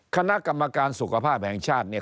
คณะกรรมการสุขภาพแห่งชาติเนี่ย